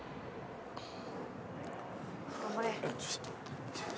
頑張れ！